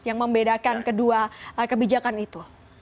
yang membedakan kedua kebijakan itu